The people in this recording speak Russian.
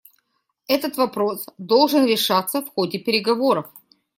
Этот вопрос должен решаться в ходе переговоров.